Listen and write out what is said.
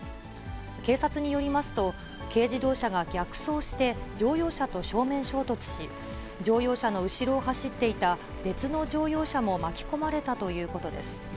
警察によりますと、軽自動車が逆走して乗用車と正面衝突し、乗用車の後ろを走っていた別の乗用車も巻き込まれたということです。